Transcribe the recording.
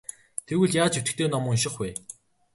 Тэгвэл яаж идэвхтэй ном унших вэ?